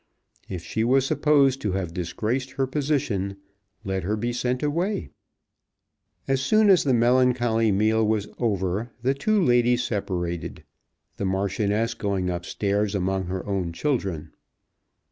If she was supposed to have disgraced her position, let her be sent away. As soon as the melancholy meal was over the two ladies separated, the Marchioness going up stairs among her own children.